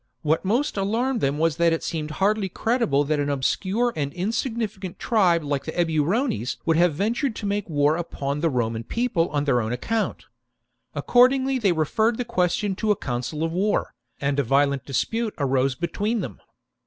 What most alarmed them was that it seemed hardly credible that an obscure and insignificant tribe like the Eburones would have ventured to make war upon the Roman People on their own account. Accordingly they referred the question to a council of war, and a violent dispute arose between them.